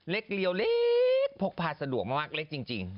เล็กเลี้ยวเล็กพกผ่าสะดวกมากเล็กจริง